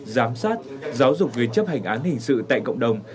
giám sát giáo dục người chấp hành án hình sự tại cộng đồng